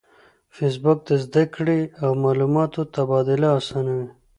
فېسبوک د زده کړې او معلوماتو تبادله آسانوي